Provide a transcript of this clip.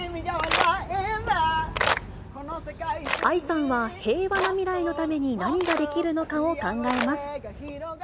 ＡＩさんは平和な未来のために何ができるのかを考えます。